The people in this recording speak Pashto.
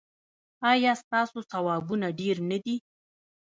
ایا ستاسو ثوابونه ډیر نه دي؟